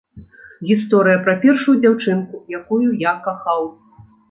Гісторыя пра першую дзяўчынку, якую я кахаў.